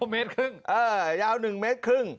๕เมตรครึ่งเออยาว๑๕เมตร